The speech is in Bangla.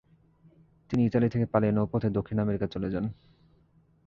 তিনি ইতালি থেকে পালিয়ে নৌপথে দক্ষিণ আমেরিকা চলে যান।